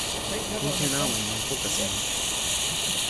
mi ken awen lon poka sina.